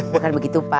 bukan begitu pak